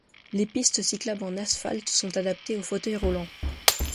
Les pistes cyclables en asphalte sont adaptées aux fauteuils roulants.